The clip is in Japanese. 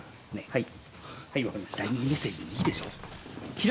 はい。